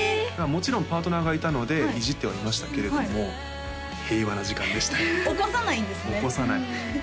もちろんパートナーがいたのでいじってはいましたけれども平和な時間でしたよ起こさないんですね？